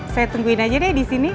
saya tungguin aja deh di sini